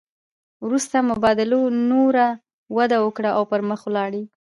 وروسته مبادلو نوره وده وکړه او پرمخ ولاړې